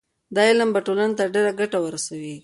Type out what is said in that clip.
دا علم به ټولنې ته ډېره ګټه ورسوي.